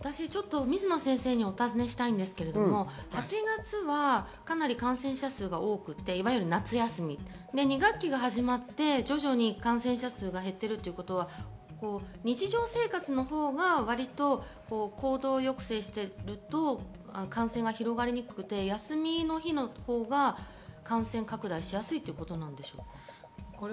水野先生にお尋ねしたいんですけれど、８月はかなり感染者数が多くて２学期が始まって徐々に感染者数が減っているということは日常生活のほうは行動抑制していると感染が広がりにくくて、休みの日のほうが感染拡大しやすいということですか？